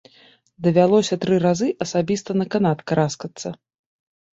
Давялося тры разы асабіста на канат караскацца.